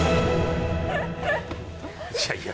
いやいや